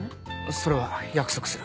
それは約束する。